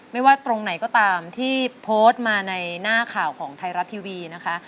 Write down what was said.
ไม่ว่าตรงไหนก็ตามที่โพสต์มาในหน้าข่าวของไทยรัฐทีวีนะคะ